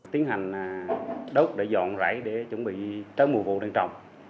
tiến hành đốt để dọn rảy để chuẩn bị tới mùa vụ đang trồng